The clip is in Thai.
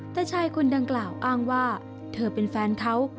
แต่ชายคนดังกล่าวอ้างว่าเธอเป็นแฟนเขา